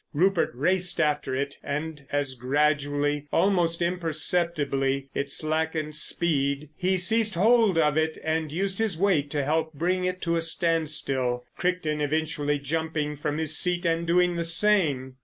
Rupert raced after it, and as gradually, almost imperceptibly, it slackened speed, he seized hold of it and used his weight to help bring it to a standstill, Crichton eventually jumping from his seat and doing the same.